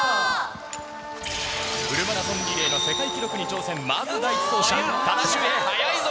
フルマラソンリレーの世界記録に挑戦、まずは第１走者、多田修平、速いぞ。